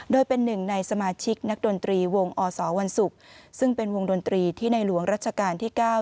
โดยเป็นหนึ่งในสมาชิกนักดนตรีวงอสวันศุกร์ซึ่งเป็นวงดนตรีที่ในหลวงรัชกาลที่๙